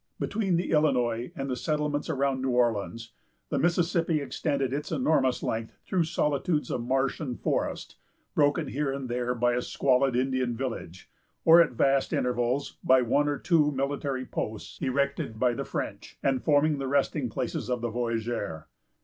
Between the Illinois and the settlements around New Orleans, the Mississippi extended its enormous length through solitudes of marsh and forest, broken here and there by a squalid Indian village; or, at vast intervals, by one or two military posts, erected by the French, and forming the resting places of the voyager.